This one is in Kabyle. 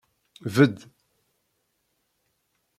Bedd!